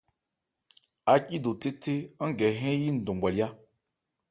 Ácído théthé, án gɛ hɛ́n yi ndɔn bhwalyá.